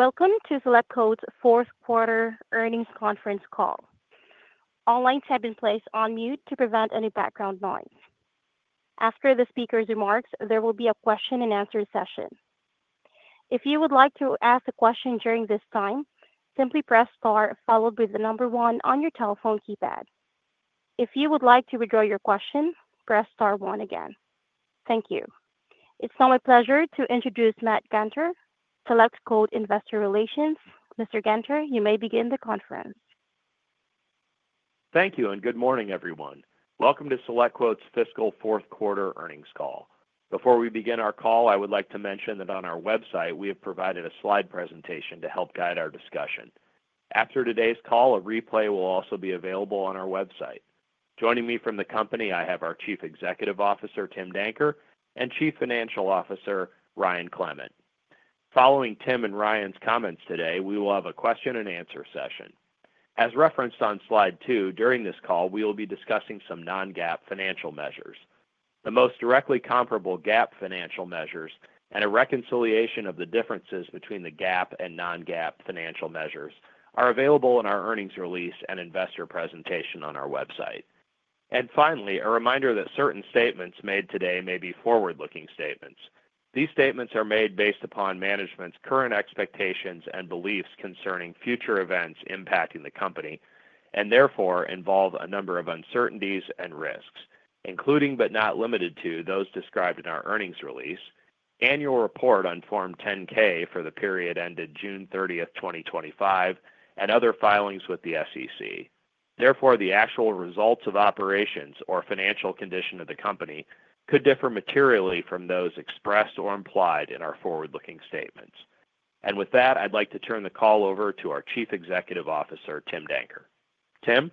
Welcome to SelectQuote's Fourth Quarter Earnings conference call. All lines have been placed on mute to prevent any background noise. After the speaker's remarks, there will be a question and answer session. If you would like to ask a question during this time, simply press star followed by the number one on your telephone keypad. If you would like to withdraw your question, press star one again. Thank you. It's now my pleasure to introduce Matt Gunter, SelectQuote Investor Relations. Mr. Gunter, you may begin the conference. Thank you and good morning, everyone. Welcome to SelectQuote's Fiscal Fourth Quarter Earnings Call. Before we begin our call, I would like to mention that on our website, we have provided a slide presentation to help guide our discussion. After today's call, a replay will also be available on our website. Joining me from the company, I have our Chief Executive Officer, Tim Danker, and Chief Financial Officer, Ryan Clement. Following Tim and Ryan's comments today, we will have a question and answer session. As referenced on slide 2, during this call, we will be discussing some non-GAAP financial measures. The most directly comparable GAAP financial measures and a reconciliation of the differences between the GAAP and non-GAAP financial measures are available in our earnings release and investor presentation on our website. Finally, a reminder that certain statements made today may be forward-looking statements. These statements are made based upon management's current expectations and beliefs concerning future events impacting the company and therefore involve a number of uncertainties and risks, including but not limited to those described in our earnings release, annual report on Form 10-K for the period ended June 30, 2025, and other filings with the SEC. Therefore, the actual results of operations or financial condition of the company could differ materially from those expressed or implied in our forward-looking statements. With that, I'd like to turn the call over to our Chief Executive Officer, Tim Danker. Tim?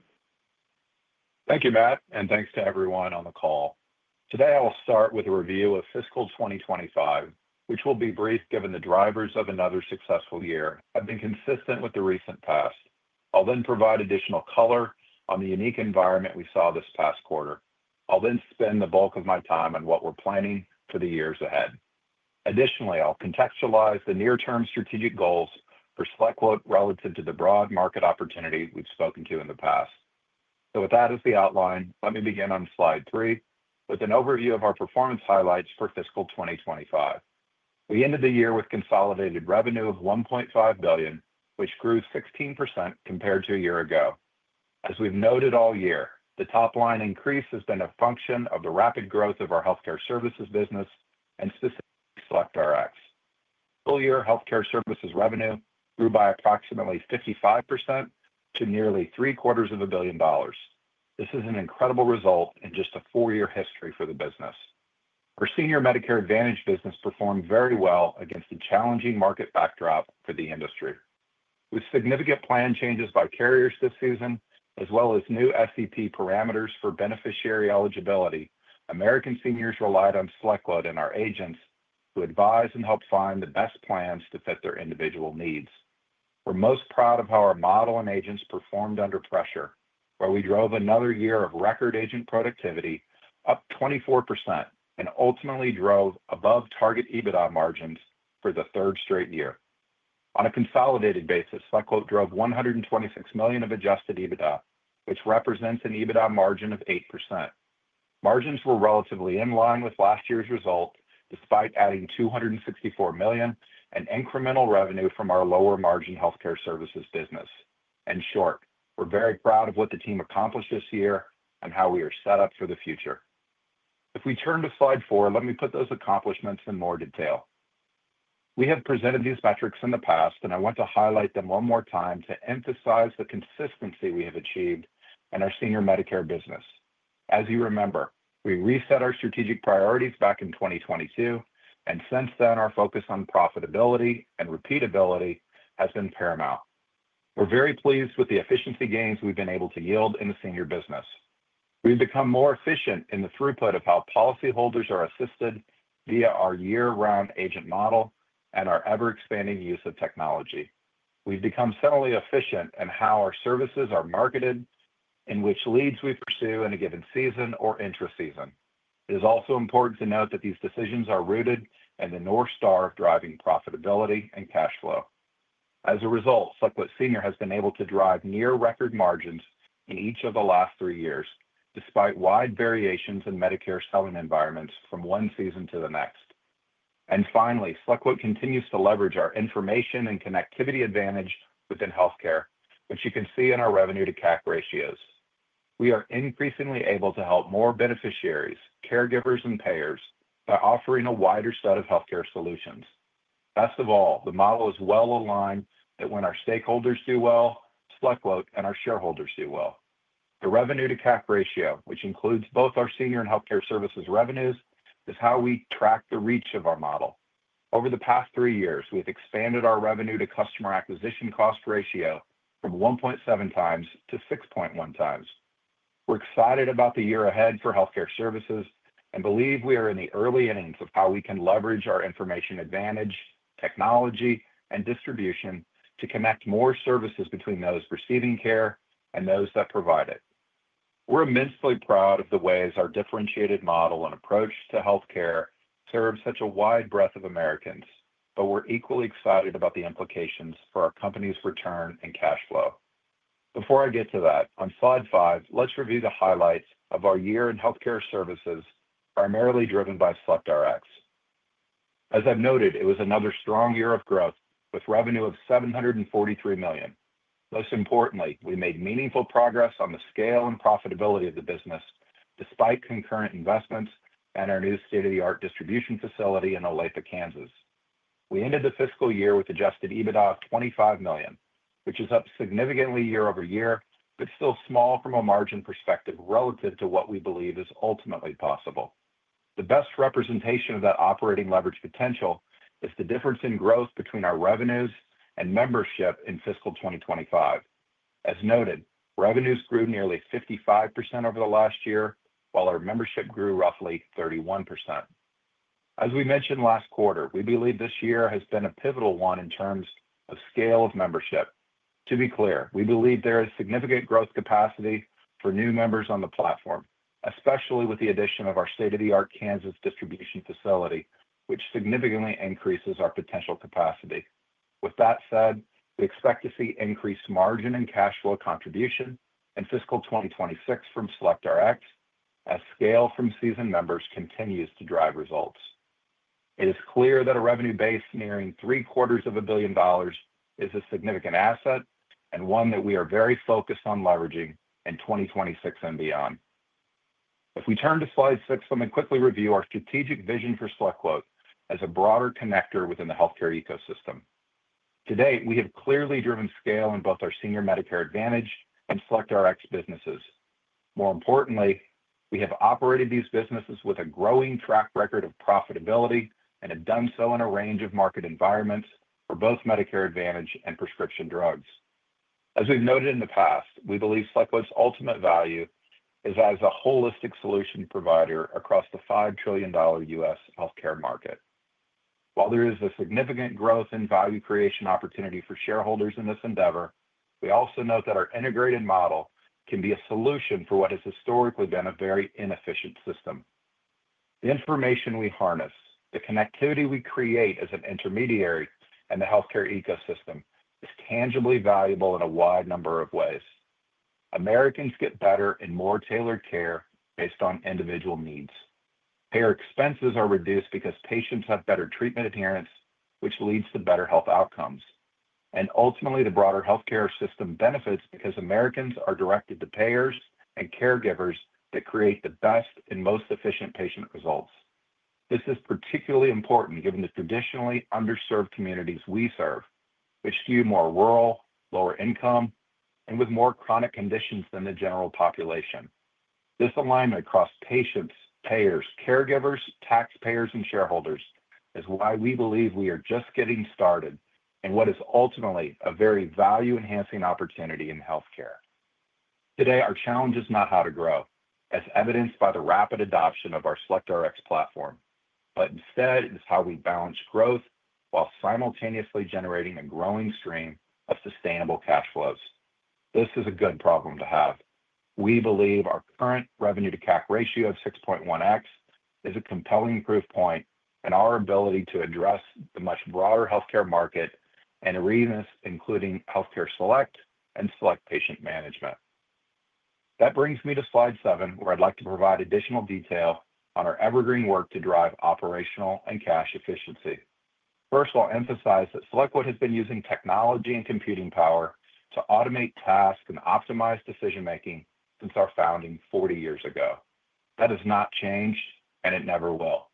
Thank you, Matt, and thanks to everyone on the call. Today, I will start with a review of fiscal 2025, which will be brief given the drivers of another successful year have been consistent with the recent past. I'll then provide additional color on the unique environment we saw this past quarter. I'll then spend the bulk of my time on what we're planning for the years ahead. Additionally, I'll contextualize the near-term strategic goals for SelectQuote relative to the broad market opportunity we've spoken to in the past. With that as the outline, let me begin on slide 3 with an overview of our performance highlights for fiscal 2025. We ended the year with consolidated revenue of $1.5 billion, which grew 16% compared to a year ago. As we've noted all year, the top line increase has been a function of the rapid growth of our Healthcare Services business and specifically SelectRx. Full-year Healthcare Services revenue grew by approximately 55% to nearly three quarters of a billion dollars. This is an incredible result in just a four-year history for the business. Our senior Medicare Advantage business performed very well against a challenging market backdrop for the industry. With significant plan changes by carriers this season, as well as new FCP parameters for beneficiary eligibility, American seniors relied on SelectQuote and our agents to advise and help find the best plans to fit their individual needs. We're most proud of how our model and agents performed under pressure, where we drove another year of record agent productivity, up 24%, and ultimately drove above target EBITDA margins for the third straight year. On a consolidated basis, SelectQuote drove $126 million of adjusted EBITDA, which represents an EBITDA margin of 8%. Margins were relatively in line with last year's result, despite adding $264 million in incremental revenue from our lower margin Healthcare Services business. In short, we're very proud of what the team accomplished this year and how we are set up for the future. If we turn to slide 4, let me put those accomplishments in more detail. We have presented these metrics in the past, and I want to highlight them one more time to emphasize the consistency we have achieved in our Senior Medicare business. As you remember, we reset our strategic priorities back in 2022, and since then, our focus on profitability and repeatability has been paramount. We're very pleased with the efficiency gains we've been able to yield in the Senior business. We've become more efficient in the throughput of how policyholders are assisted via our year-run agent model and our ever-expanding use of technology. We've become similarly efficient in how our services are marketed in which leads we pursue in a given season or interseason. It is also important to note that these decisions are rooted in the north star of driving profitability and cash flow. As a result, SelectQuote Senior has been able to drive near record margins in each of the last three years, despite wide variations in Medicare selling environments from one season to the next. Finally, SelectQuote continues to leverage our information and connectivity advantage within healthcare, which you can see in our revenue-to-cap ratios. We are increasingly able to help more beneficiaries, caregivers, and payers by offering a wider set of healthcare solutions. Best of all, the model is well aligned that when our stakeholders do well, SelectQuote and our shareholders do well. The revenue-to-cap ratio, which includes both our Senior and Healthcare Services revenues, is how we track the reach of our model. Over the past three years, we've expanded our revenue-to-customer acquisition cost ratio from 1.7x to 6.1x. We're excited about the year ahead for Healthcare Services and believe we are in the early innings of how we can leverage our information advantage, technology, and distribution to connect more services between those receiving care and those that provide it. We're immensely proud of the ways our differentiated model and approach to Healthcare serves such a wide breadth of Americans, but we're equally excited about the implications for our company's return and cash flow. Before I get to that, on slide 5, let's review the highlights of our year in Healthcare Services, primarily driven by SelectRx. As I noted, it was another strong year of growth with revenue of $743 million. Most importantly, we made meaningful progress on the scale and profitability of the business, despite concurrent investments and our new state-of-the-art distribution facility in Aletha, Kansas. We ended the fiscal year with adjusted EBITDA of $25 million, which is up significantly year over year, but still small from a margin perspective relative to what we believe is ultimately possible. The best representation of that operating leverage potential is the difference in growth between our revenues and membership in fiscal 2025. As noted, revenues grew nearly 55% over the last year, while our membership grew roughly 31%. As we mentioned last quarter, we believe this year has been a pivotal one in terms of scale of membership. To be clear, we believe there is significant growth capacity for new members on the platform, especially with the addition of our state-of-the-art Kansas distribution facility, which significantly increases our potential capacity. With that said, we expect to see increased margin and cash flow contribution in fiscal 2026 from SelectRx as scale from seasoned members continues to drive results. It is clear that a revenue base nearing 3/4 of $1 billion dollars is a significant asset and one that we are very focused on leveraging in 2026 and beyond. If we turn to slide six, let me quickly review our strategic vision for SelectQuote as a broader connector within the Healthcare ecosystem. Today, we have clearly driven scale in both our senior Medicare Advantage and SelectRx businesses. More importantly, we have operated these businesses with a growing track record of profitability and have done so in a range of market environments for both Medicare Advantage and prescription drugs. As we've noted in the past, we believe SelectQuote's ultimate value is as a holistic solution provider across the $5 trillion U.S. Healthcare market. While there is a significant growth in value creation opportunity for shareholders in this endeavor, we also note that our integrated model can be a solution for what has historically been a very inefficient system. The information we harness, the connectivity we create as an intermediary in the Hecosystem is tangibly valuable in a wide number of ways. Americans get better and more tailored care based on individual needs. Payer expenses are reduced because patients have better treatment adherence, which leads to better health outcomes. Ultimately, the broader Healthcare system benefits because Americans are directed to payers and caregivers that create the best and most efficient patient results. This is particularly important given the traditionally underserved communities we serve, which skew more rural, lower income, and with more chronic conditions than the general population. This alignment across patients, payers, caregivers, taxpayers, and shareholders is why we believe we are just getting started in what is ultimately a very value-enhancing opportunity in healthcare. Today, our challenge is not how to grow, as evidenced by the rapid adoption of our SelectRx platform, but instead, it's how we balance growth while simultaneously generating a growing stream of sustainable cash flows. This is a good problem to have. We believe our current revenue-to-cap ratio of 6.1x is a compelling proof point in our ability to address the much broader Healthcare market and arenas, including Healthcare Select and Select Patient Management. That brings me to slide 7, where I'd like to provide additional detail on our evergreen work to drive operational and cash efficiency. First, I'll emphasize that SelectQuote has been using technology and computing power to automate tasks and optimize decision-making since our founding 40 years ago. That has not changed, and it never will.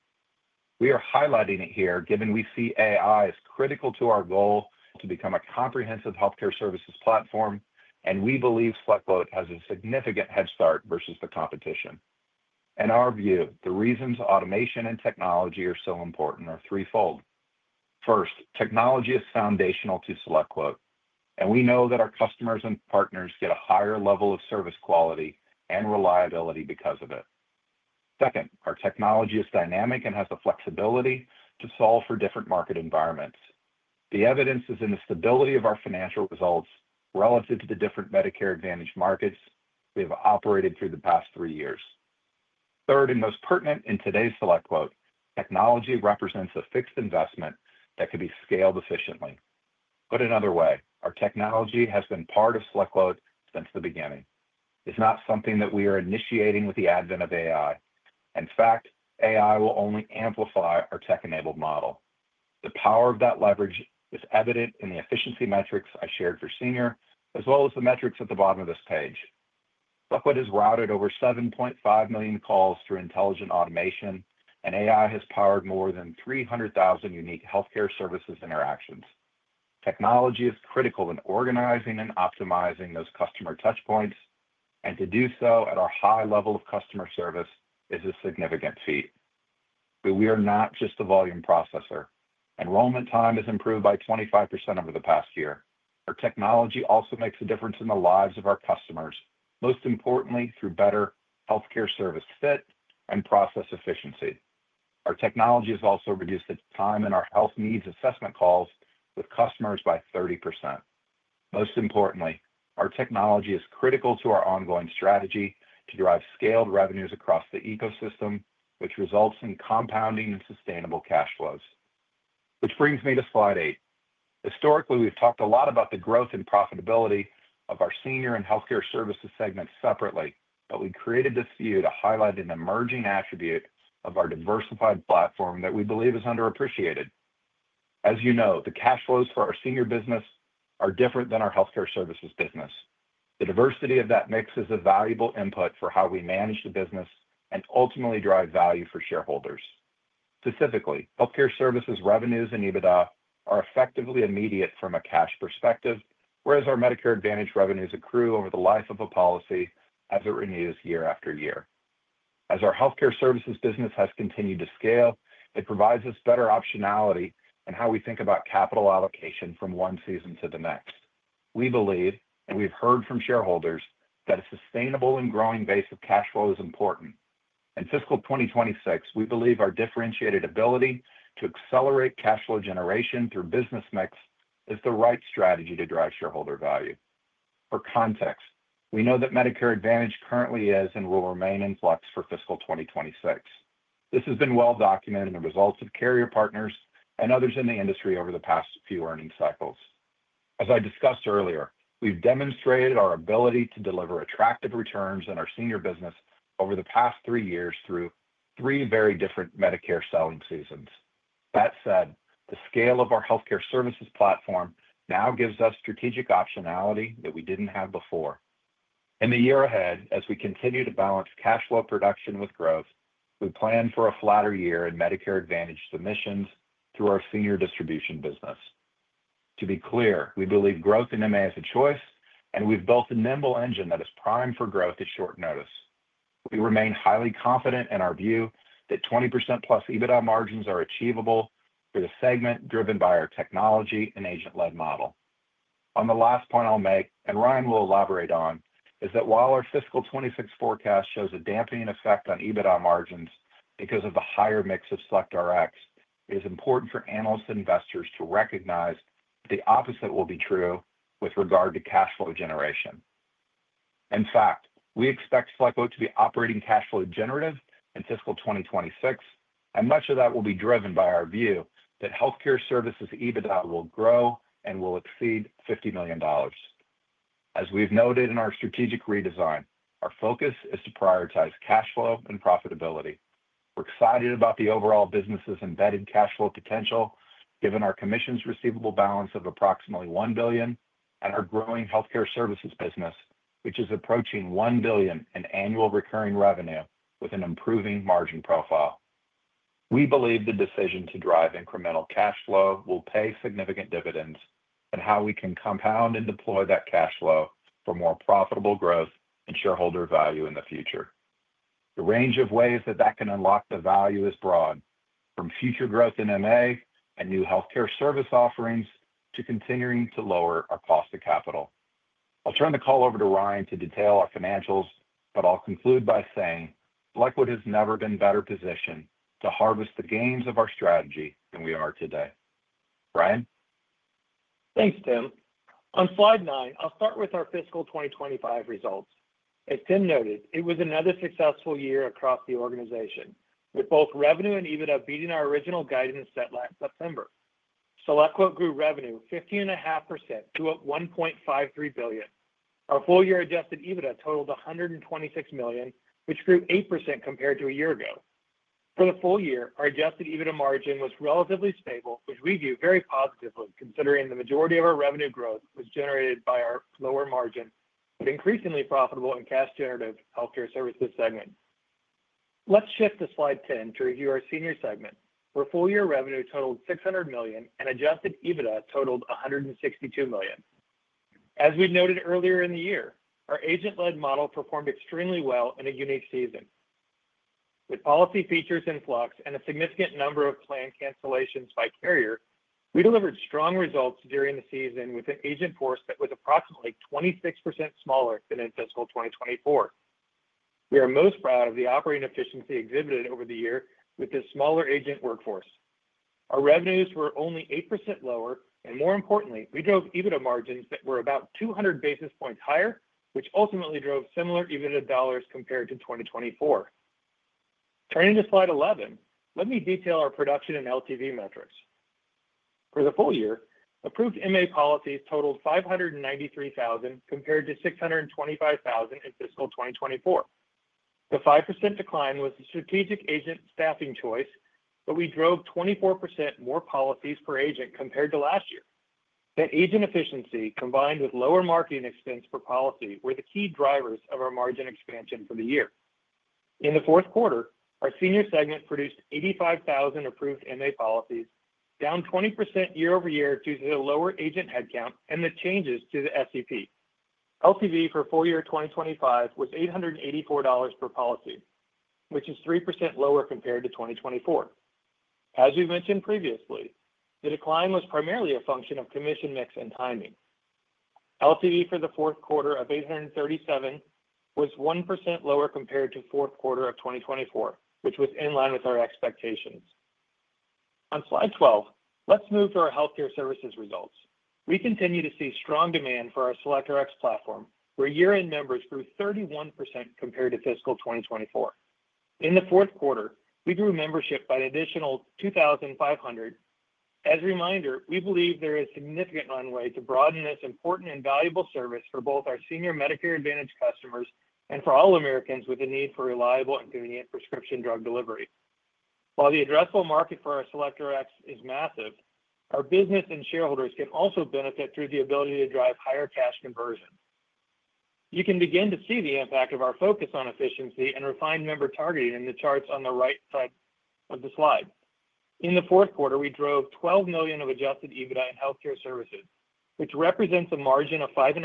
We are highlighting it here given we see AI as critical to our goal to become a comprehensive healthcare services platform, and we believe SelectQuote has a significant head start versus the competition. In our view, the reasons automation and technology are so important are threefold. First, technology is foundational to SelectQuote, and we know that our customers and partners get a higher level of service quality and reliability because of it. Second, our technology is dynamic and has the flexibility to solve for different market environments. The evidence is in the stability of our financial results relative to the different Medicare Advantage markets we have operated through the past three years. Third, and most pertinent in today's SelectQuote, technology represents a fixed investment that could be scaled efficiently. Put another way, our technology has been part of SelectQuote since the beginning. It's not something that we are initiating with the advent of AI. In fact, AI will only amplify our tech-enabled model. The power of that leverage is evident in the efficiency metrics I shared for senior, as well as the metrics at the bottom of this page. SelectQuote has routed over 7.5 million calls through intelligent automation, and AI has powered more than 300,000 unique healthcare services interactions. Technology is critical in organizing and optimizing those customer touchpoints, and to do so at our high level of customer service is a significant feat. We are not just a volume processor. Enrollment time has improved by 25% over the past year. Our technology also makes a difference in the lives of our customers, most importantly through better healthcare service fit and process efficiency. Our technology has also reduced the time in our health needs assessment calls with customers by 30%. Most importantly, our technology is critical to our ongoing strategy to drive scaled revenues across the ecosystem, which results in compounding and sustainable cash flows. This brings me to slide 7. Historically, we've talked a lot about the growth and profitability of our Senior and Healthcare Services segments separately, but we created this view to highlight an emerging attribute of our diversified platform that we believe is underappreciated. As you know, the cash flows for our Senior business are different than our Healthcare Services business. The diversity of that mix is a valuable input for how we manage the business and ultimately drive value for shareholders. Specifically, Healthcare Services revenues and EBITDA are effectively immediate from a cash perspective, whereas our Medicare Advantage revenues accrue over the life of a policy as it renews year after year. As our Healthcare Services business has continued to scale, it provides us better optionality in how we think about capital allocation from one season to the next. We believe, and we've heard from shareholders, that a sustainable and growing base of cash flow is important. In fiscal 2026, we believe our differentiated ability to accelerate cash flow generation through business mix is the right strategy to drive shareholder value. For context, we know that Medicare Advantage currently is in real main influx for fiscal 2026. This has been well documented in the results of carrier partners and others in the industry over the past few earnings cycles. As I discussed earlier, we've demonstrated our ability to deliver attractive returns in our Senior business over the past three years through three very different Medicare selling seasons. That said, the scale of our healthcare services platform now gives us strategic optionality that we didn't have before. In the year ahead, as we continue to balance cash flow production with growth, we plan for a flatter year in Medicare Advantage submissions through our Senior distribution business. To be clear, we believe growth in MA is a choice, and we've built a nimble engine that is primed for growth at short notice. We remain highly confident in our view that 20%+ EBITDA margins are achievable through the segment driven by our technology and agent-led model. On the last point I'll make, and Ryan will elaborate on, is that while our fiscal 2026 forecast shows a dampening effect on EBITDA margins because of the higher mix of SelectRx, it is important for analysts and investors to recognize the opposite will be true with regard to cash flow generation. In fact, we expect SelectQuote to be operating cash flow generative in fiscal 2026, and much of that will be driven by our view that healthcare services EBITDA will grow and will exceed $50 million. As we've noted in our strategic redesign, our focus is to prioritize cash flow and profitability. We're excited about the overall business's embedded cash flow potential, given our commissions receivable balance of approximately $1 billion and our growing Healthcare Services business, which is approaching $1 billion in annual recurring revenue with an improving margin profile. We believe the decision to drive incremental cash flow will pay significant dividends in how we can compound and deploy that cash flow for more profitable growth and shareholder value in the future. The range of ways that that can unlock the value is broad, from future growth in MA and new Healthcare Service offerings to continuing to lower our cost of capital. I'll turn the call over to Ryan to detail our financials, but I'll conclude by saying SelectQuote has never been better positioned to harvest the gains of our strategy than we are today. Ryan? Thanks, Tim. On slide 9, I'll start with our fiscal 2025 results. As Tim noted, it was another successful year across the organization, with both revenue and EBITDA beating our original guidance set last September. SelectQuote grew revenue 15.5% to $1.53 billion. Our full year adjusted EBITDA totaled $126 million, which grew 8% compared to a year ago. For the full year, our adjusted EBITDA margin was relatively stable, which we view very positively considering the majority of our revenue growth was generated by our lower margin but increasingly profitable and cash-generative Healthcare Services segment. Let's shift to slide 10 to review our Senior segment, where full-year revenue totaled $600 million and adjusted EBITDA totaled $162 million. As we've noted earlier in the year, our agent-led model performed extremely well in a unique season. With policy features in flux and a significant number of planned cancellations by carrier, we delivered strong results during the season with an agent force that was approximately 26% smaller than in fiscal 2024. We are most proud of the operating efficiency exhibited over the year with this smaller agent workforce. Our revenues were only 8% lower, and more importantly, we drove EBITDA margins that were about 200 basis points higher, which ultimately drove similar EBITDA dollars compared to 2024. Turning to slide 11, let me detail our production and LTV metrics. For the full year, approved MA policies totaled 593,000 compared to 625,000 in fiscal 2024. The 5% decline was a strategic agent staffing choice, but we drove 24% more policies per agent compared to last year. That agent efficiency, combined with lower marketing expense per policy, were the key drivers of our margin expansion for the year. In the fourth quarter, our senior segment produced 85,000 approved Medicare Advantage policies, down 20% year-over-year due to the lower agent headcount and the changes to the FCP. LTV for full year 2025 was $884 per policy, which is 3% lower compared to 2024. As we mentioned previously, the decline was primarily a function of commission mix and timing. LTV for the fourth quarter of $837 was 1% lower compared to the fourth quarter of 2024, which was in line with our expectations. On slide 12, let's move to our Healthcare Services results. We continue to see strong demand for our SelectRx platform, where year-end members grew 31% compared to fiscal 2024. In the fourth quarter, we grew membership by an additional 2,500. As a reminder, we believe there is significant runway to broaden this important and valuable service for both our senior Medicare Advantage customers and for all Americans with a need for reliable and convenient prescription drug delivery. While the addressable market for our SelectRx is massive, our business and shareholders can also benefit through the ability to drive higher cash conversion. You can begin to see the impact of our focus on efficiency and refined member targeting in the charts on the right side of the slide. In the fourth quarter, we drove $12 million of adjusted EBITDA in Healthcare Services, which represents a margin of 5.5%,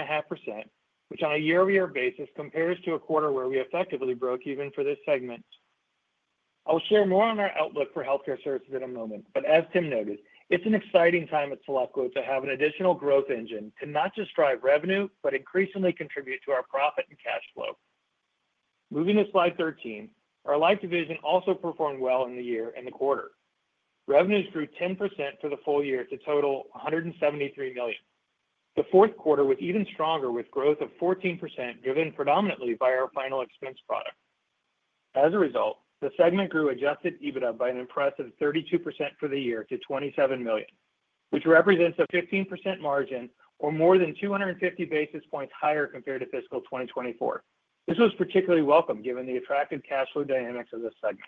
which on a year-over-year basis compares to a quarter where we effectively broke even for this segment. I'll share more on our outlook for healthcare services in a moment, but as Tim noted, it's an exciting time at SelectQuote to have an additional growth engine to not just drive revenue but increasingly contribute to our profit and cash flow. Moving to slide 13, our Life division also performed well in the year and the quarter. Revenues grew 10% for the full year to total $173 million. The fourth quarter was even stronger with growth of 14%, driven predominantly by our final expense product. As a result, the segment grew adjusted EBITDA by an impressive 32% for the year to $27 million, which represents a 15% margin or more than 250 basis points higher compared to fiscal 2024. This was particularly welcome given the attractive cash flow dynamics of this segment.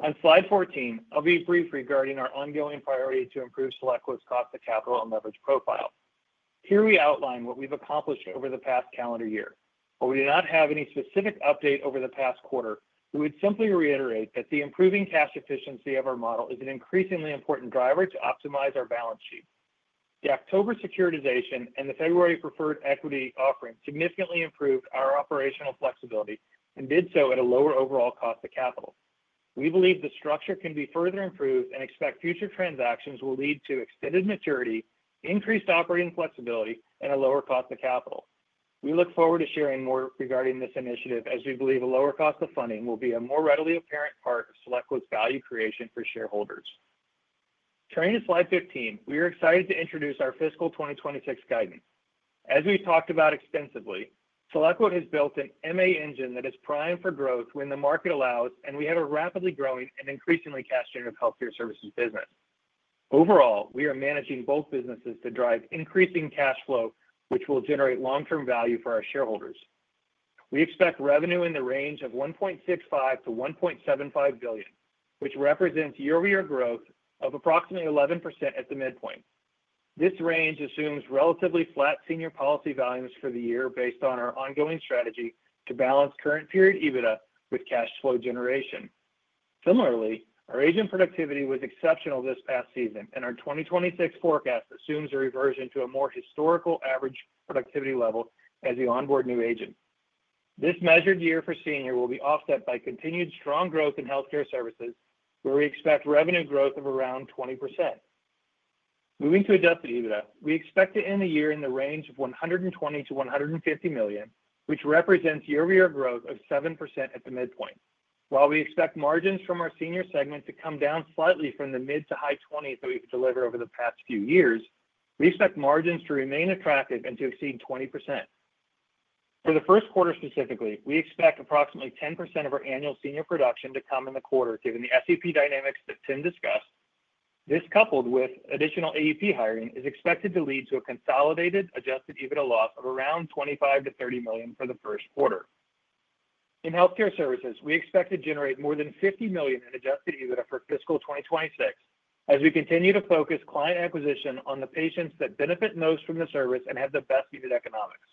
On slide 14, I'll be brief regarding our ongoing priority to improve SelectQuote's cost-to-capital and leverage profile. Here we outline what we've accomplished over the past calendar year. While we do not have any specific update over the past quarter, we would simply reiterate that the improving cash efficiency of our model is an increasingly important driver to optimize our balance sheet. The October securitization and the February preferred equity offering significantly improved our operational flexibility and did so at a lower overall cost to capital. We believe the structure can be further improved and expect future transactions will lead to extended maturity, increased operating flexibility, and a lower cost to capital. We look forward to sharing more regarding this initiative as we believe a lower cost of funding will be a more readily apparent part of SelectQuote's value creation for shareholders. Turning to slide 15, we are excited to introduce our fiscal 2026 guidance. As we've talked about extensively, SelectQuote has built an MA engine that is primed for growth when the market allows, and we have a rapidly growing and increasingly cash-generative Healthcare Services business. Overall, we are managing both businesses to drive increasing cash flow, which will generate long-term value for our shareholders. We expect revenue in the range of $1.65 billion-$1.75 billion, which represents year-over-year growth of approximately 11% at the midpoint. This range assumes relatively flat senior policy values for the year based on our ongoing strategy to balance current period EBITDA with cash flow generation. Similarly, our agent productivity was exceptional this past season, and our 2026 forecast assumes a reversion to a more historical average productivity level as we onboard new agents. This measured year for senior will be offset by continued strong growth in Healthcare Services, where we expect revenue growth of around 20%. Moving to adjusted EBITDA, we expect to end the year in the range of $120 million-$150 million, which represents year-over-year growth of 7% at the midpoint. While we expect margins from our senior segment to come down slightly from the mid to high 20% that we've delivered over the past few years, we expect margins to remain attractive and to exceed 20%. For the first quarter specifically, we expect approximately 10% of our annual Senior production to come in the quarter, given the FCP dynamics that Tim discussed. This, coupled with additional AEP hiring, is expected to lead to a consolidated adjusted EBITDA loss of around $25 million-$30 million for the first quarter. In Healthcare Services, we expect to generate more than $50 million in adjusted EBITDA for fiscal 2026, as we continue to focus client acquisition on the patients that benefit most from the service and have the best EBITDA economics.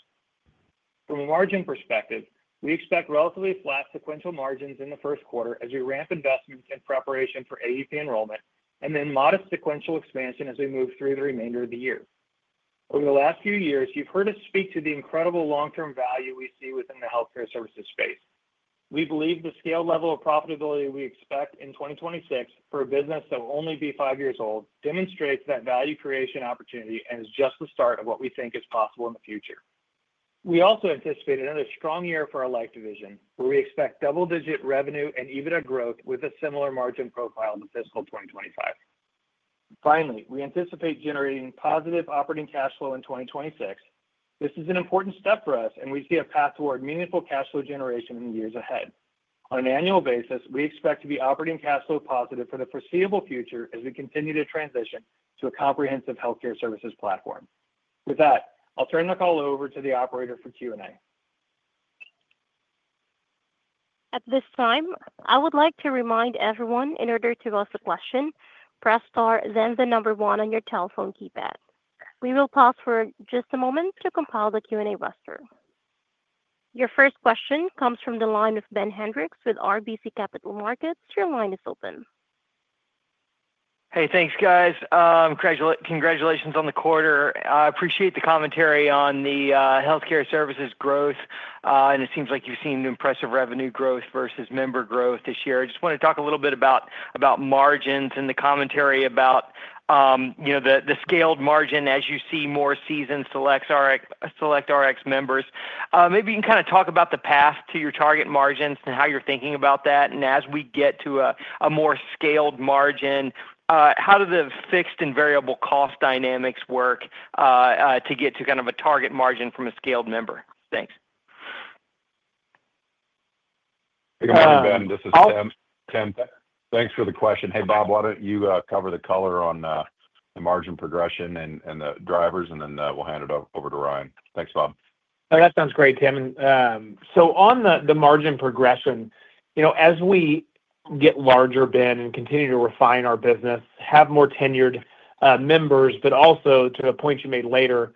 From a margin perspective, we expect relatively flat sequential margins in the first quarter as we ramp investments in preparation for AEP enrollment and then modest sequential expansion as we move through the remainder of the year. Over the last few years, you've heard us speak to the incredible long-term value we see within the Healthcare Services space. We believe the scale level of profitability we expect in 2026 for a business that will only be five years old demonstrates that value creation opportunity and is just the start of what we think is possible in the future. We also anticipate another strong year for our Life division, where we expect double-digit revenue and EBITDA growth with a similar margin profile to fiscal 2025. Finally, we anticipate generating positive operating cash flow in 2026. This is an important step for us, and we see a path toward meaningful cash flow generation in the years ahead. On an annual basis, we expect to be operating cash flow positive for the foreseeable future as we continue to transition to a comprehensive Healthcare Services platform. With that, I'll turn the call over to the operator for Q&A. At this time, I would like to remind everyone, in order to ask a question, press star then the number one on your telephone keypad. We will pause for just a moment to compile the Q&A roster. Your first question comes from the line of Ben Hendrix with RBC Capital Markets. Your line is open. Hey, thanks, guys. Congratulations on the quarter. I appreciate the commentary on the Healthcare Services growth, and it seems like you've seen impressive revenue growth versus member growth this year. I just want to talk a little bit about margins and the commentary about the scaled margin as you see more seasoned SelectRx members. Maybe you can kind of talk about the path to your target margins and how you're thinking about that. As we get to a more scaled margin, how do the fixed and variable cost dynamics work to get to kind of a target margin from a scaled member? Thanks. Hey, good morning, Ben. This is Tim. Thanks for the question. Hey, Bob, why don't you cover the color on the margin progression and the drivers, and then we'll hand it over to Ryan. Thanks, Bob. Oh, that sounds great, Tim. On the margin progression, as we get larger, Ben, and continue to refine our business, have more tenured members, but also to the point you made later,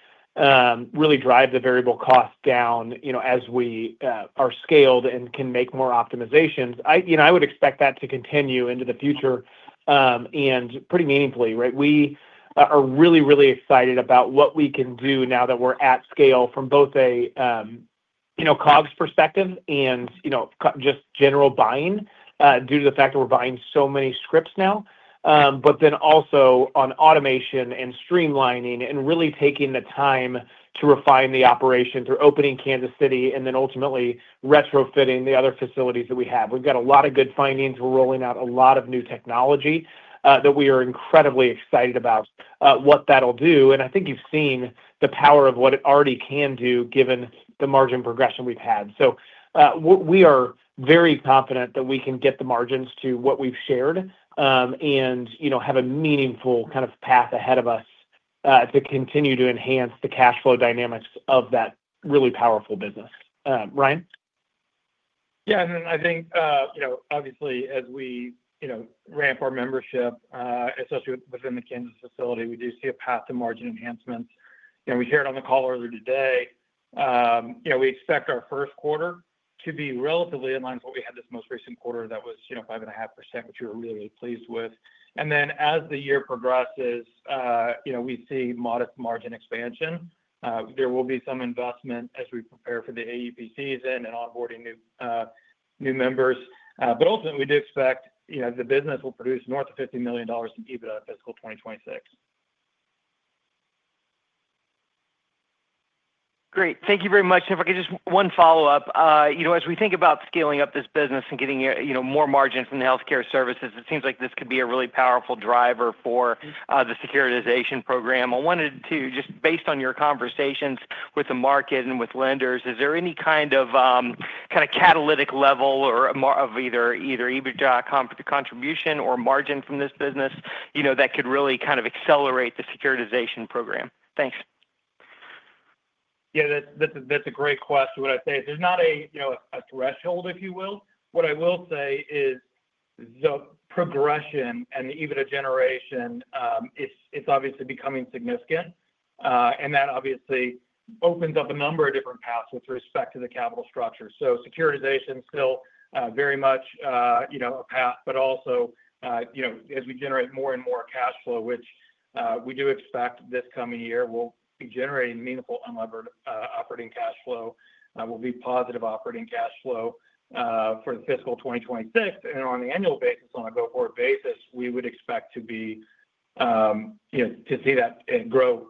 really drive the variable cost down, as we are scaled and can make more optimizations, I would expect that to continue into the future and pretty meaningfully, right? We are really, really excited about what we can do now that we're at scale from both a COGS perspective and just general buying due to the fact that we're buying so many scripts now. Also, on automation and streamlining and really taking the time to refine the operation through opening Kansas City and ultimately retrofitting the other facilities that we have. We've got a lot of good findings. We're rolling out a lot of new technology that we are incredibly excited about what that'll do. I think you've seen the power of what it already can do given the margin progression we've had. We are very confident that we can get the margins to what we've shared and have a meaningful kind of path ahead of us to continue to enhance the cash flow dynamics of that really powerful business. Ryan? Yeah, and I think, you know, obviously, as we ramp our membership, especially within the Kansas facility, we do see a path to margin enhancements. We shared on the call earlier today, we expect our first quarter to be relatively in line with what we had this most recent quarter that was 5.5%, which we were really pleased with. As the year progresses, we see modest margin expansion. There will be some investment as we prepare for the AEP season and onboarding new members. Ultimately, we do expect the business will produce north of $50 million in EBITDA in fiscal 2026. Great. Thank you very much. If I could just one follow-up, as we think about scaling up this business and getting more margin from the Healthcare Services, it seems like this could be a really powerful driver for the securitization program. I wanted to just, based on your conversations with the market and with lenders, is there any kind of catalytic level or of either EBITDA contribution or margin from this business that could really accelerate the securitization program? Thanks. Yeah, that's a great question. What I'd say is there's not a threshold, if you will. What I will say is the progression and the EBITDA generation, it's obviously becoming significant. That obviously opens up a number of different paths with respect to the capital structure. Securitization is still very much a path, but also, as we generate more and more cash flow, which we do expect this coming year will be generating meaningful unlevered operating cash flow, will be positive operating cash flow for the fiscal 2026. On an annual basis, on a go-forward basis, we would expect to see that grow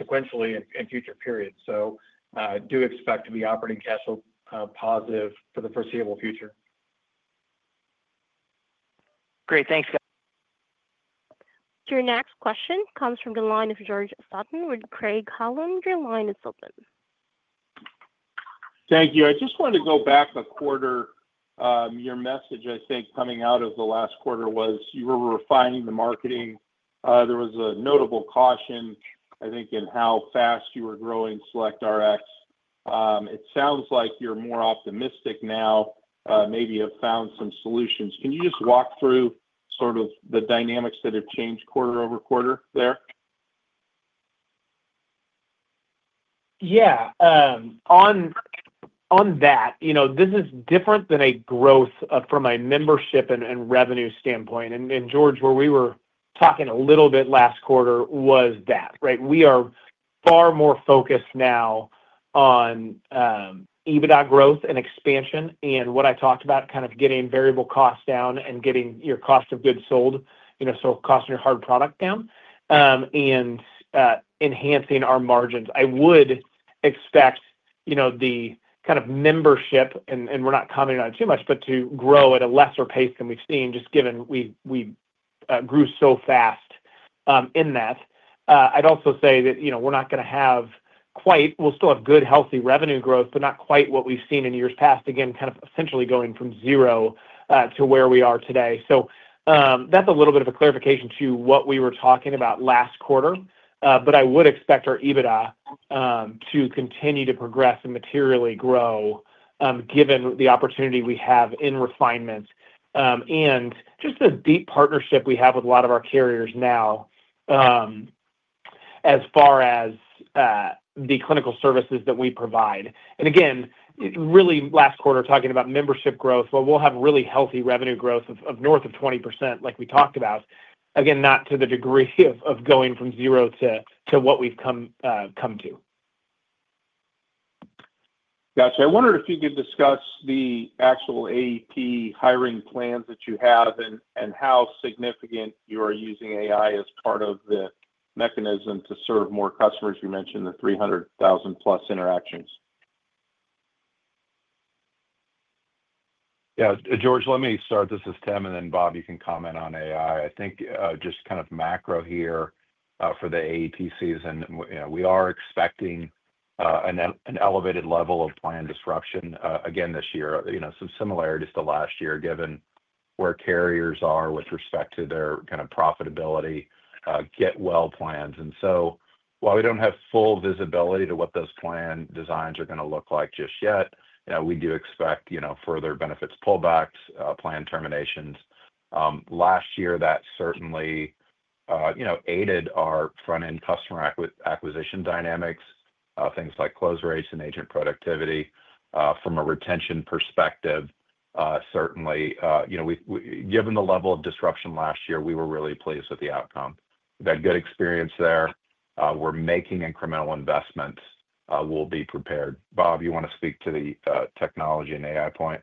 sequentially in future periods. I do expect to be operating cash flow positive for the foreseeable future. Great. Thanks, guys. Your next question comes from the line of George Sutton with Craig-Hallum. Your line is open. Thank you. I just wanted to go back a quarter. Your message, I think, coming out of the last quarter was you were refining the marketing. There was a notable caution, I think, in how fast you were growing SelectRx. It sounds like you're more optimistic now. Maybe you have found some solutions. Can you just walk through sort of the dynamics that have changed quarter over quarter there? Yeah. On that, you know, this is different than growth from a membership and revenue standpoint. George, where we were talking a little bit last quarter was that, right? We are far more focused now on EBITDA growth and expansion and what I talked about, kind of getting variable costs down and getting your cost of goods sold, you know, so cost of your hard product down and enhancing our margins. I would expect, you know, the kind of membership, and we're not commenting on it too much, but to grow at a lesser pace than we've seen, just given we grew so fast in that. I'd also say that, you know, we're not going to have quite, we'll still have good, healthy revenue growth, but not quite what we've seen in years past, again, essentially going from zero to where we are today. That's a little bit of a clarification to what we were talking about last quarter. I would expect our EBITDA to continue to progress and materially grow, given the opportunity we have in refinement and just the deep partnership we have with a lot of our carriers now as far as the clinical services that we provide. Again, really last quarter talking about membership growth, we'll have really healthy revenue growth of north of 20% like we talked about. Again, not to the degree of going from zero to what we've come to. Gotcha. I wondered if you could discuss the actual AEP hiring plans that you have and how significant you are using AI as part of the mechanism to serve more customers. You mentioned the 300,000+ interactions. Yeah, George, let me start. This is Tim, and then Bob, you can comment on AI. I think just kind of macro here for the AEP season, we are expecting an elevated level of plan disruption again this year. There are some similarities to last year, given where carriers are with respect to their kind of profitability, get well plans. While we don't have full visibility to what those plan designs are going to look like just yet, we do expect further benefits pullbacks, plan terminations. Last year, that certainly aided our front-end customer acquisition dynamics, things like close rates and agent productivity. From a retention perspective, certainly, given the level of disruption last year, we were really pleased with the outcome. We've had good experience there. We're making incremental investments. We'll be prepared. Bob, you want to speak to the technology and AI point?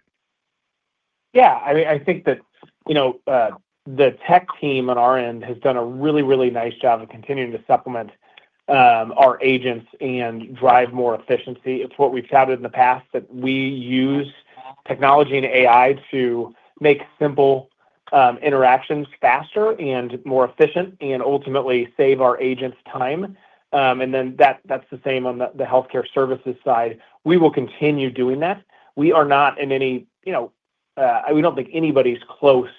Yeah, I mean, I think that the tech team on our end has done a really, really nice job of continuing to supplement our agents and drive more efficiency. It's what we've touted in the past that we use technology and AI to make simple interactions faster and more efficient and ultimately save our agents' time. That's the same on the healthcare services side. We will continue doing that. We are not in any, you know, we don't think anybody's close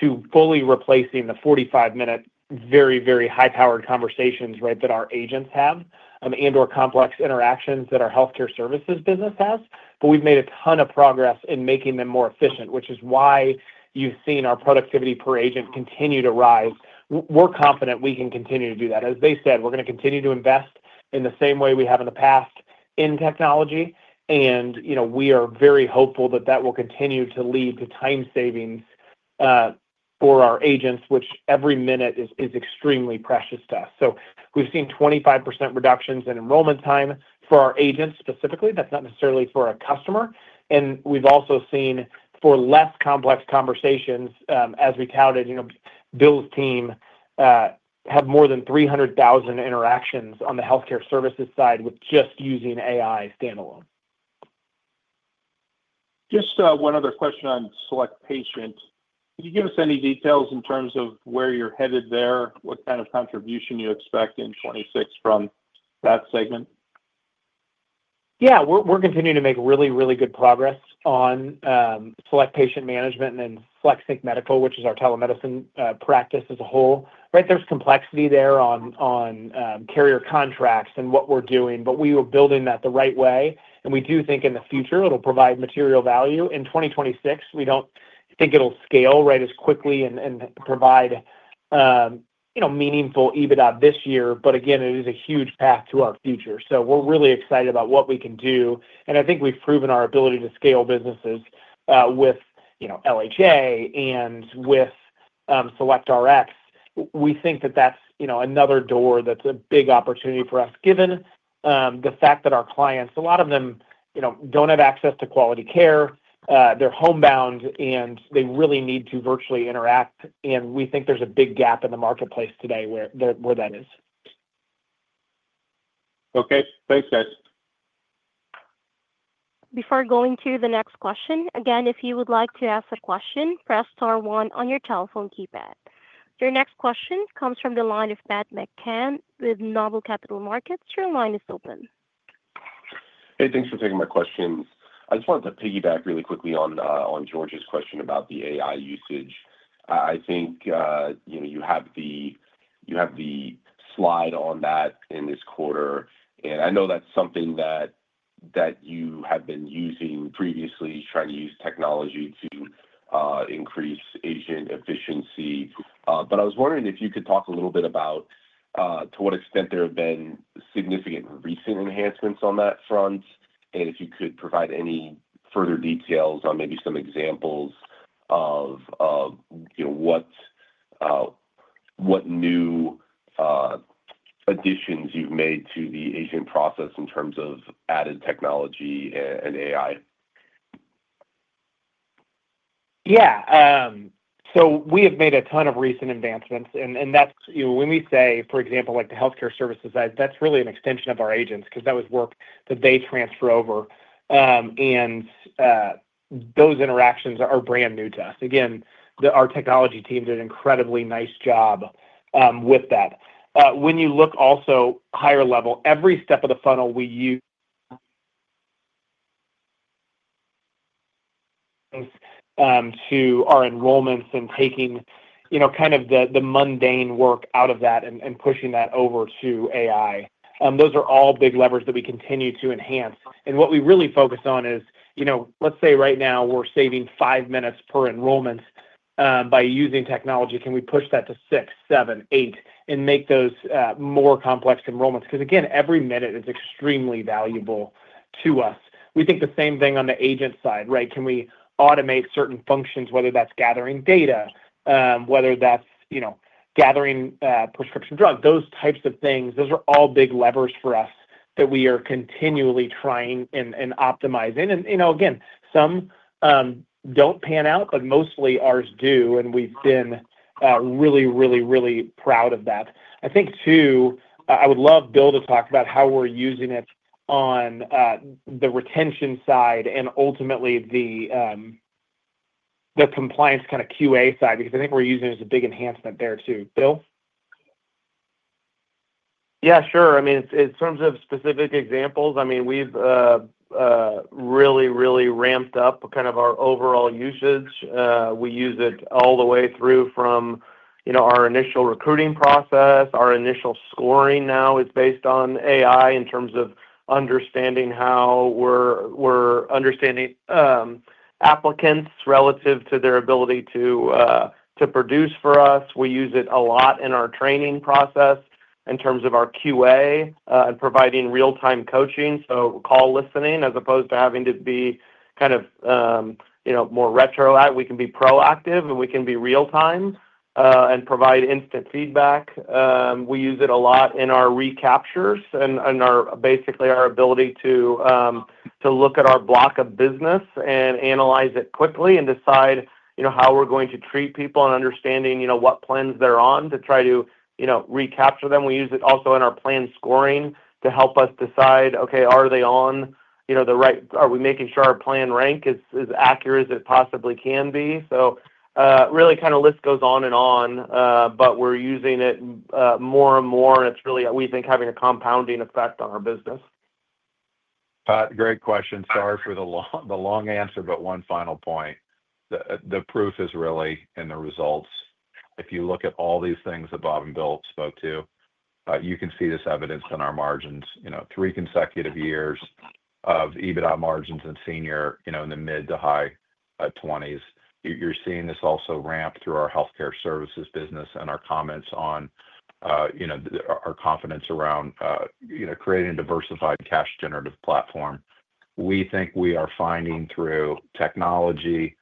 to fully replacing the 45-minute very, very high-powered conversations, right, that our agents have and/or complex interactions that our Healthcare Services business has. We've made a ton of progress in making them more efficient, which is why you've seen our productivity per agent continue to rise. We're confident we can continue to do that. As they said, we're going to continue to invest in the same way we have in the past in technology. We are very hopeful that that will continue to lead to time savings for our agents, which every minute is extremely precious to us. We've seen 25% reductions in enrollment time for our agents specifically. That's not necessarily for a customer. We've also seen for less complex conversations, as we touted, Bill's team have more than 300,000 interactions on the Healthcare Services side with just using AI standalone. Just one other question on Select Patient. Can you give us any details in terms of where you're headed there, what kind of contribution you expect in 2026 from that segment? Yeah, we're continuing to make really, really good progress on Select Patient Management and FlexSync Medical, which is our telemedicine practice as a whole. There's complexity there on carrier contracts and what we're doing, but we are building that the right way. We do think in the future it'll provide material value. In 2026, we don't think it'll scale as quickly and provide meaningful EBITDA this year. It is a huge path to our future. We're really excited about what we can do. I think we've proven our ability to scale businesses with, you know, LHA and with SelectRx. We think that that's another door that's a big opportunity for us, given the fact that our clients, a lot of them, don't have access to quality care. They're homebound, and they really need to virtually interact. We think there's a big gap in the marketplace today where that is. Okay, thanks, guys. Before going to the next question, again, if you would like to ask a question, press star one on your telephone keypad. Your next question comes from the line of Pat McCann with NOBLE Capital Markets. Your line is open. Hey, thanks for taking my questions. I just wanted to piggyback really quickly on George's question about the AI usage. I think you have the slide on that in this quarter. I know that's something that you have been using previously, trying to use technology to increase agent efficiency. I was wondering if you could talk a little bit about to what extent there have been significant recent enhancements on that front, and if you could provide any further details on maybe some examples of what new additions you've made to the agent process in terms of added technology and AI. Yeah. We have made a ton of recent advancements. That's, you know, when we say, for example, the Healthcare Services side, that's really an extension of our agents because that was work that they transfer over. Those interactions are brand new to us. Our technology team did an incredibly nice job with that. When you look also higher level, every step of the funnel we use to our enrollments and taking, you know, kind of the mundane work out of that and pushing that over to AI. Those are all big levers that we continue to enhance. What we really focus on is, you know, let's say right now we're saving five minutes per enrollment by using technology. Can we push that to six, seven, eight, and make those more complex enrollments? Every minute is extremely valuable to us. We think the same thing on the agent side, right? Can we automate certain functions, whether that's gathering data, whether that's, you know, gathering prescription drugs, those types of things? Those are all big levers for us that we are continually trying and optimizing. Some don't pan out, but mostly ours do. We've been really, really, really proud of that. I think, too, I would love Bill to talk about how we're using it on the retention side and ultimately the compliance kind of QA side because I think we're using it as a big enhancement there, too. Bill? Yeah, sure. In terms of specific examples, we've really ramped up our overall usage. We use it all the way through from our initial recruiting process, our initial scoring. Now, it's based on AI in terms of understanding how we're understanding applicants relative to their ability to produce for us. We use it a lot in our training process in terms of our QA and providing real-time coaching. Call listening, as opposed to having to be more retroactive, we can be proactive, and we can be real-time and provide instant feedback. We use it a lot in our recaptures and basically our ability to look at our block of business and analyze it quickly and decide how we're going to treat people and understanding what plans they're on to try to recapture them. We use it also in our plan scoring to help us decide, okay, are they on the right, are we making sure our plan rank is as accurate as it possibly can be? The list goes on and on, but we're using it more and more, and it's really, we think, having a compounding effect on our business. Pat, great question. Sorry for the long answer, but one final point. The proof is really in the results. If you look at all these things that Bob and Bill spoke to, you can see this evidenced in our margins. Three consecutive years of EBITDA margins in senior, in the mid to high 20%. You're seeing this also ramp through our Healthcare Services business and our comments on our confidence around creating a diversified cash-generative platform. We think we are finding through technology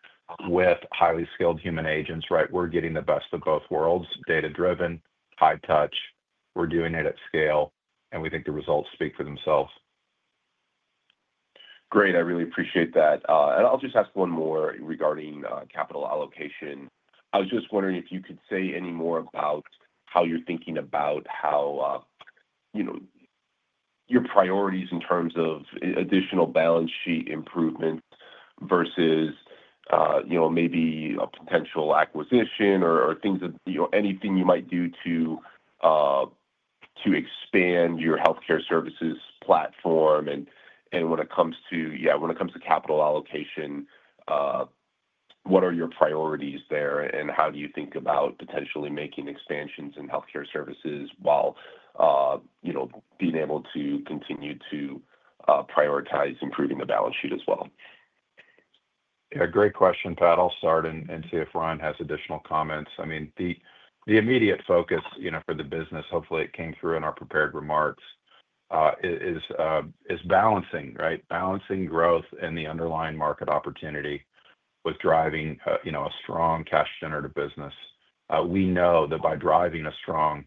with highly skilled human agents, right? We're getting the best of both worlds: data-driven, high touch. We're doing it at scale, and we think the results speak for themselves. Great. I really appreciate that. I'll just ask one more regarding capital allocation. I was just wondering if you could say any more about how you're thinking about your priorities in terms of additional balance sheet improvement versus maybe a potential acquisition or things that you might do to expand your healthcare services platform. When it comes to capital allocation, what are your priorities there, and how do you think about potentially making expansions in healthcare services while being able to continue to prioritize improving the balance sheet as well? Yeah, great question, Pat. I'll start and see if Ryan has additional comments. The immediate focus for the business, hopefully, it came through in our prepared remarks, is balancing, right? Balancing growth and the underlying market opportunity with driving a strong cash-generative business. We know that by driving a strong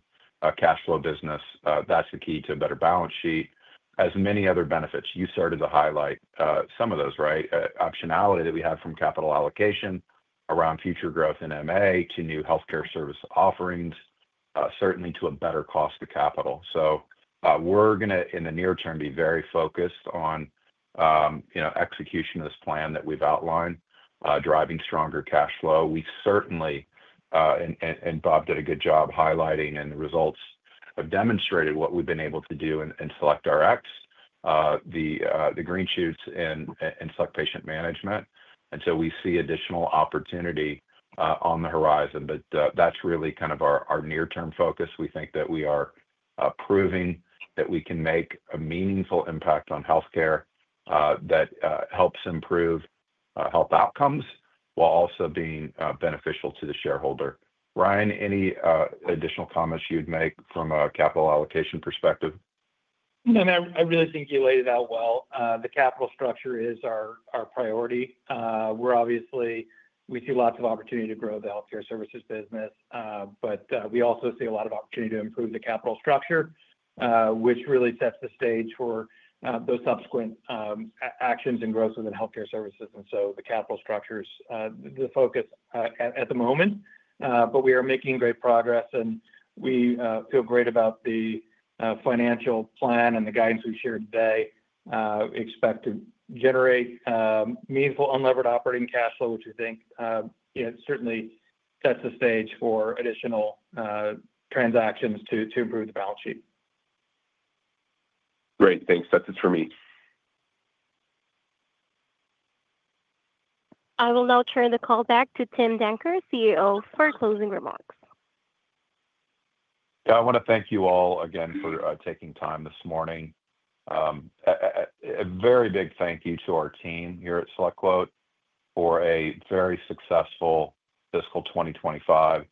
cash flow business, that's the key to a better balance sheet, as many other benefits. You started to highlight some of those, right? Optionality that we have from capital allocation around future growth in MA to new healthcare service offerings, certainly to a better cost of capital. We're going to, in the near term, be very focused on execution of this plan that we've outlined, driving stronger cash flow. We certainly, and Bob did a good job highlighting, and the results have demonstrated what we've been able to do in SelectRx, the Green Chutes and Select Patient Management. We see additional opportunity on the horizon. That's really kind of our near-term focus. We think that we are proving that we can make a meaningful impact on healthcare that helps improve health outcomes while also being beneficial to the shareholder. Ryan, any additional comments you'd make from a capital allocation perspective? Yeah, I really think you laid it out well. The capital structure is our priority. We obviously see lots of opportunity to grow the Healthcare Services business, but we also see a lot of opportunity to improve the capital structure, which really sets the stage for those subsequent actions and growths within Healthcare Services. The capital structure is the focus at the moment. We are making great progress, and we feel great about the financial plan and the guidance we shared today. We expect to generate meaningful unlevered operating cash flow, which we think certainly sets the stage for additional transactions to improve the balance sheet. Great. Thanks. That's it for me. I will now turn the call back to Tim Danker, CEO, for closing remarks. Yeah, I want to thank you all again for taking time this morning. A very big thank you to our team here at SelectQuote for a very successful fiscal 2025.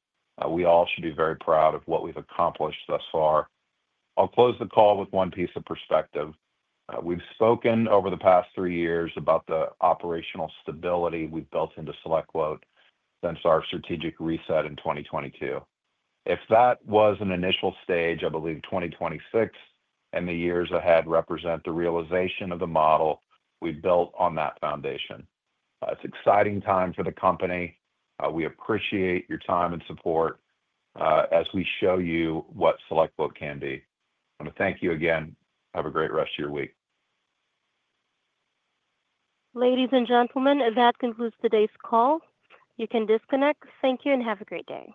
We all should be very proud of what we've accomplished thus far. I'll close the call with one piece of perspective. We've spoken over the past three years about the operational stability we've built into SelectQuote since our strategic reset in 2022. If that was an initial stage, I believe 2026 and the years ahead represent the realization of the model we've built on that foundation. It's an exciting time for the company. We appreciate your time and support as we show you what SelectQuote can be. I want to thank you again. Have a great rest of your week. Ladies and gentlemen, that concludes today's call. You can disconnect. Thank you and have a great day.